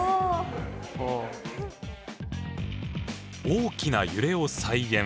大きな揺れを再現。